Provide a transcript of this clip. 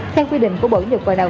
theo quy định của bộ dược đào tạo